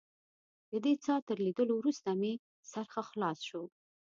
ددې څاه تر لیدلو وروسته مې سر ښه خلاص شو.